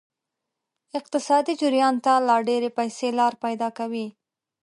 اقتصادي جریان ته لا ډیرې پیسې لار پیدا کوي.